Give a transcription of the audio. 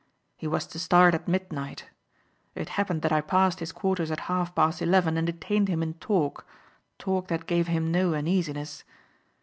He was to start at midnight. It happened that I passed his quarters at half past eleven and detained him in talk, talk that gave him no uneasiness."